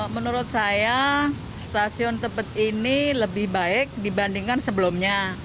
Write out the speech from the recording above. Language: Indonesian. menurut saya stasiun tebet ini lebih baik dibandingkan sebelumnya